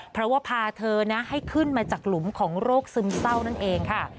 เพราะว่าพาเธอนะให้ขึ้นมาจากหลุมของโรคซึมเศร้านั่นเองค่ะ